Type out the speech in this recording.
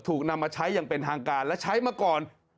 ถูกนำมาใช้อย่างเป็นทางการและใช้มาก่อน